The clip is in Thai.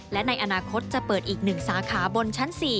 และในอนาคตจะเปิดอีก๑สาขาบนชั้น๔